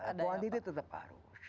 kuantitas tetap harus